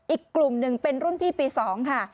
อีกกลุ่มหนึ่งเป็นรุ่นพี่ปี๒ค่ะ